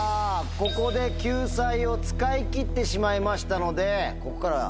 ここで救済を使い切ってしまいましたので。